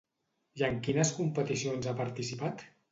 I en quines competicions ha participat?